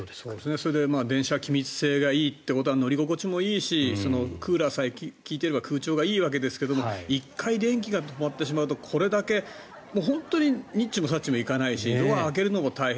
それで電車気密性がいいというとこは乗り心地もいいしクーラーが利いていれば空調もいいわけですが１回電気が止まってしまうとにっちもさっちもいかないしドアを開けるのも大変。